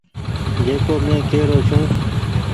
جڪو مين ڪي رو ڇون۔